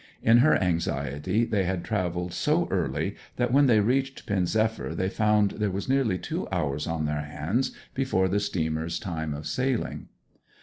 In her anxiety they had travelled so early that when they reached Pen zephyr they found there were nearly two hours on their hands before the steamer's time of sailing.